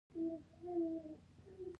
ډیر خوندور دی چې له تاسو سره کار وکړم.